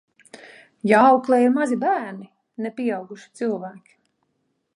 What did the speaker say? Jāauklē ir mazi bērni, ne pieauguši cilvēki.